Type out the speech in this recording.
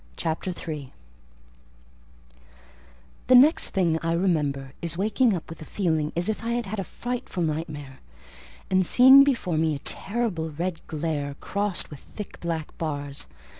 CHAPTER III The next thing I remember is, waking up with a feeling as if I had had a frightful nightmare, and seeing before me a terrible red glare, crossed with thick black bars.